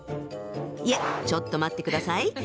いえちょっと待ってください。